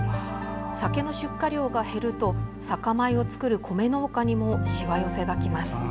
酒の出荷量が減ると酒米を作る米農家にもしわ寄せがきます。